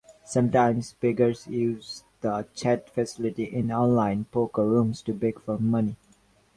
Sometimes beggars use the chat facility in online poker rooms to beg for money.